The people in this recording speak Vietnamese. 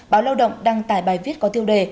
báo lao động đăng tải bài viết có tiêu đề